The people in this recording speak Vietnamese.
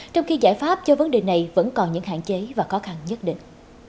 trong khi giải pháp cho vấn đề này vẫn còn những hạn chế và khó khăn nhất định